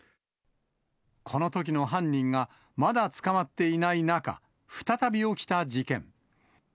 このときの犯人が、まだ捕まっていない中、再び起きた事件。